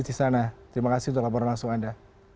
di sana terima kasih untuk laporan langsung anda